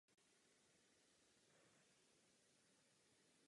Postup pro makroekonomickou nerovnováhu umožňuje inovace.